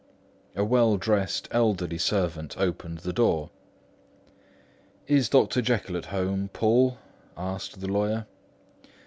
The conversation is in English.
A well dressed, elderly servant opened the door. "Is Dr. Jekyll at home, Poole?" asked the lawyer.